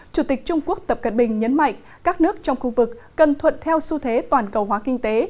chủ tịch trung quốc tập cận bình nhấn mạnh các nước trong khu vực cần thuận theo xu thế toàn cầu hóa kinh tế